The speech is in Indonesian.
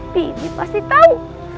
bibi pasti tahu